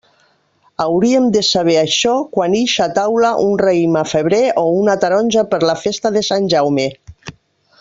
Hauríem de saber això quan ix a taula un raïm a febrer o una taronja per la festa de Sant Jaume.